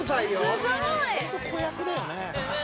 「本当子役だよね」